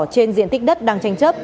trên diện tích đất đang tranh chấp